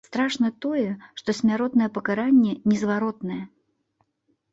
Страшна тое, што смяротнае пакаранне незваротнае.